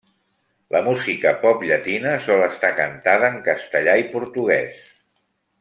La música pop llatina sol estar cantada en castellà i portuguès.